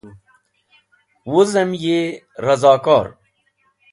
Wuzem yi Razokor.